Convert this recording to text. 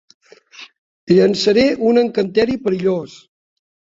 Llançaré un encanteri perillós.